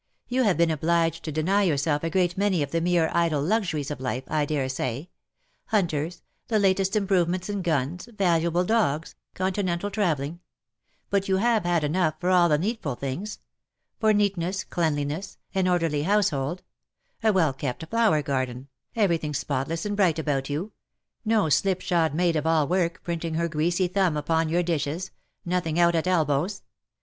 You have been obliged to deny yourself a great many of the mere idle luxuries of life, I dare say — hunters, the latest improvements in guns, valuable dogs, continental travelling; but you have had enough for all the needful things — for neatness, cleanliness, an orderly household; a well kept flov/er garden, everything spotless and bright about you ; no slipshod maid of all work printing her greasy thumb upon your dishes — nothing out at elbows.